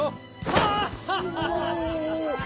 ハーハッ。